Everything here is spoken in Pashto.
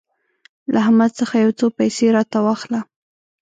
له احمد څخه يو څو پيسې راته واخله.